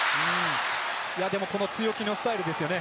この強気のスタイルですよね。